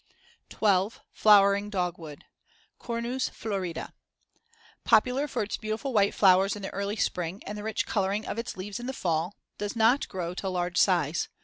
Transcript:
12. Flowering dogwood (Cornus florida) Popular for its beautiful white flowers in the early spring and the rich coloring of its leaves in the fall; does not grow to large size.